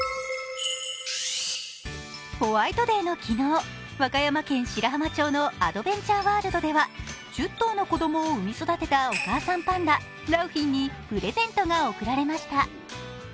ホワイトデーの昨日和歌山県白浜町のアドベンチャーワールドでは１０頭の子供を産み育てたお母さんパンダ、良浜にプレゼントが贈られました。